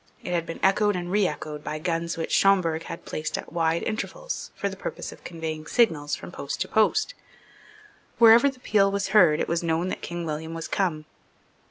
It had been echoed and reechoed by guns which Schomberg had placed at wide intervals for the purpose of conveying signals from post to post. Wherever the peal was heard, it was known that King William was come.